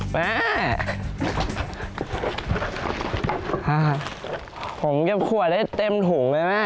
แม่ผมเก็บขวดได้เต็มถุงเลยแม่